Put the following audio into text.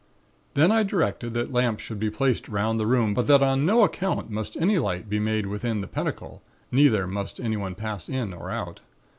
"Then I directed that lamps should be placed 'round the room, but that on no account must any light be made within the pentacle; neither must anyone pass in or out.